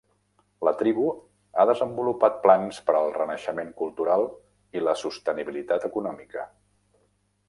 La tribu ha desenvolupat plans per al renaixement cultural i la sostenibilitat econòmica.